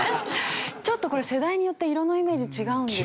ちょっとこれ世代によって色のイメージ違う。